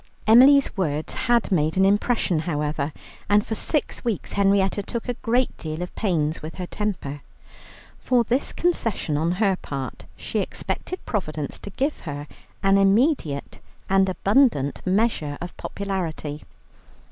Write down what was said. Emily's words had made an impression however, and for six weeks Henrietta took a great deal of pains with her temper. For this concession on her part she expected Providence to give her an immediate and abundant measure of popularity.